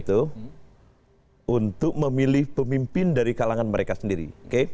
untuk memilih pemimpin dari kalangan mereka sendiri oke